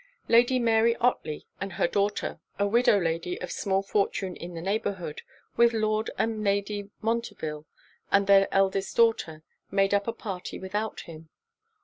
Lady Mary Otley and her daughter, a widow lady of small fortune in the neighbourhood, with Lord and Lady Montreville and their eldest daughter, made up a party without him.